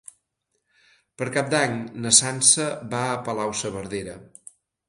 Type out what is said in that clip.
Per Cap d'Any na Sança va a Palau-saverdera.